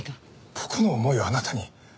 僕の思いをあなたに。